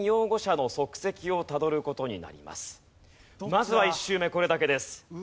まずは１周目これだけです。